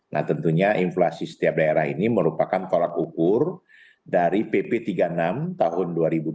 nah tentunya inflasi setiap daerah ini merupakan tolak ukur dari pp tiga puluh enam tahun dua ribu dua puluh